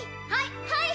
はい！